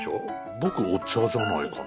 僕お茶じゃないかな。